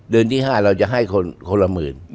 เดือนที่๕เราจะให้คนละหมื่น